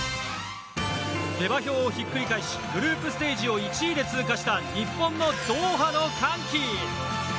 下馬評をひっくり返しグループステージを１位で通過した日本のドーハの歓喜。